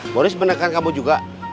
boris menekan kamu juga